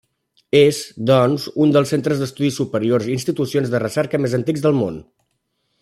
És, doncs, un dels centres d'estudis superiors i institucions de recerca més antics del món.